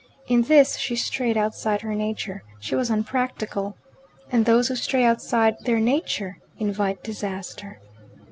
In this she strayed outside her nature: she was unpractical. And those who stray outside their nature invite disaster.